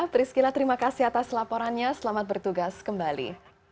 priscila terima kasih atas laporannya selamat bertugas kembali